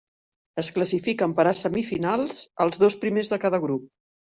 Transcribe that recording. Es classifiquen per a semifinals els dos primers de cada grup.